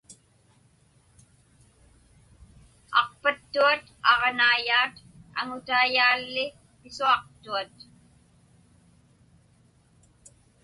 Aqpattuat aġnaiyaat, aŋutaiyaalli pisuaqtuat.